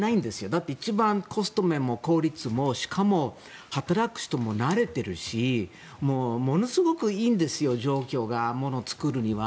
だって一番コスト面も効率もしかも、働く人も慣れているしものすごくいいんですよ、状況がもの作るには。